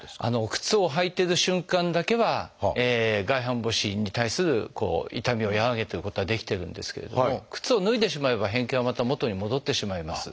靴を履いてる瞬間だけは外反母趾に対する痛みを和らげてることはできてるんですけれども靴を脱いでしまえば変形はまた元に戻ってしまいます。